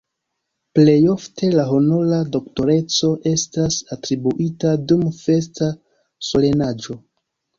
Plej ofte la honora doktoreco estas atribuita dum festa solenaĵo.